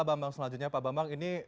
bambang selanjutnya pak bambang ini